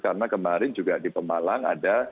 karena kemarin juga di pemalang ada